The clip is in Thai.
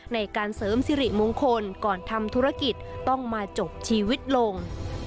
ในการเสริมสิริมงคลก่อนทำธุรกิจต้องมาจบชีวิตลง